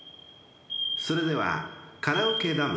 ［それではカラオケＤＡＭ